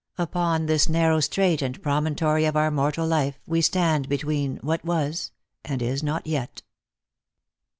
Upon this narrow strait And promontory of our mortal life We stand between what was, and is not yet."